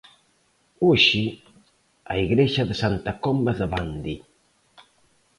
Hoxe, a igrexa de Santa Comba de Bande.